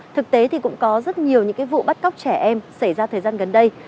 thực tế thì cũng có rất nhiều những vụ bắt cóc trẻ em xảy ra thời gian gần đây